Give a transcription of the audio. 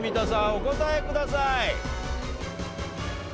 お答えください。